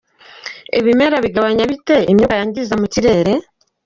Ibimera bigabanya bite imyuka yangiza mukirere?.